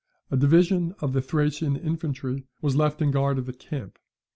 A division of Thracian infantry was left in guard of the camp.